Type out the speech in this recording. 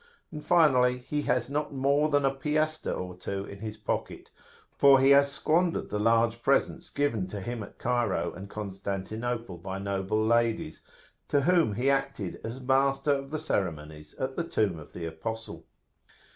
And finally, he has not more than a piastre or two in his pocket, for he has squandered the large presents given to him at Cairo and Constantinople by noble ladies, to whom he acted as master of the ceremonies at the tomb of the Apostle.